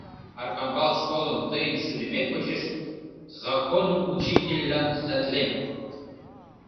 Аркамбал школым тыйын шӱдымет почеш законоучительлан сдатлем.